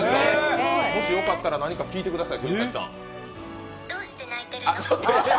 もし、よかったら何か聞いてください。